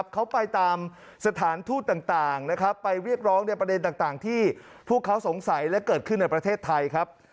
เขาไปตามสถานทูตต่างนะครับไปเรียกร้องในประเด็นต่างที่พวกเขาสงสัยและเกิดขึ้นในประเทศไทยครับ